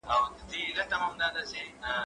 که وخت وي، درسونه لوستل کوم!؟